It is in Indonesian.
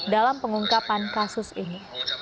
dalam pengungkapan kasus ini